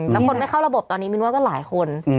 แล้วคนไม่เข้าระบบตอนนี้มินว่าก็หลายคน